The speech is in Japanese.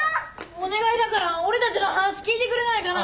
お願いだから俺たちの話聞いてくれないかな？